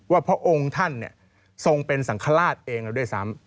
พระองค์ท่านทรงเป็นสังฆราชเองเราด้วยซ้ำ